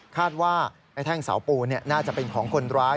ว่าไอ้แท่งเสาปูนน่าจะเป็นของคนร้าย